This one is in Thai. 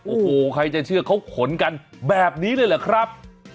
โอ้โหใครจะเชื่อเขาขนกันแบบนี้เลยเหรอครับ